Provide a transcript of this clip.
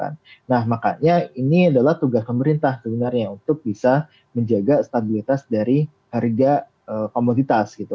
nah makanya ini adalah tugas pemerintah sebenarnya untuk bisa menjaga stabilitas dari harga komoditas gitu